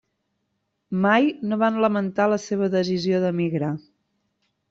Mai no van lamentar la seva decisió d'emigrar.